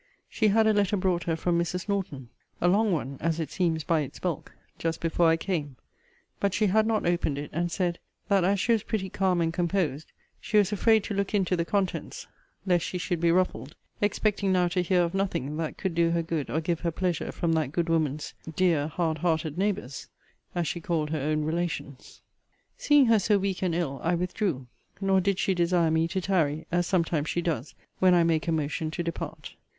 She had a letter brought her from Mrs. Norton (a long one, as it seems by its bulk,) just before I came. But she had not opened it; and said, that as she was pretty calm and composed, she was afraid to look into the contents, lest she should be ruffled; expecting now to hear of nothing that could do her good or give her pleasure from that good woman's dear hard hearted neighbours, as she called her own relations. Seeing her so weak and ill, I withdrew; nor did she desire me to tarry, as sometimes she does, when I make a motion to depart.